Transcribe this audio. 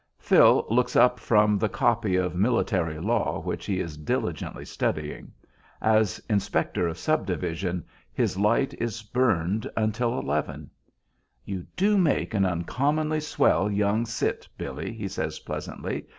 Phil looks up from the copy of "Military Law" which he is diligently studying. As "inspector of subdivision," his light is burned until eleven. "You do make an uncommonly swell young cit, Billy," he says, pleasantly.